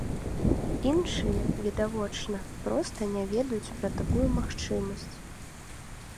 Іншыя, відавочна, проста не ведаюць пра такую магчымасць.